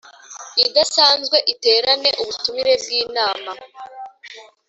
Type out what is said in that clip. Idasanzwe iterane ubutumire bw inama